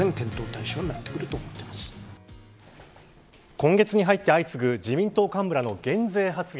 今月に入って相次ぐ自民党幹部らの減税発言。